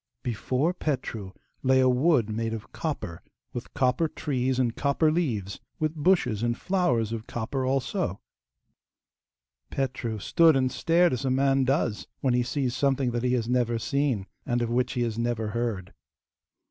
Before Petru lay a wood made of copper, with copper trees and copper leaves, with bushes and flowers of copper also. Petru stood and stared as a man does when he sees something that he has never seen, and of which he has never heard.